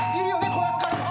子役からの。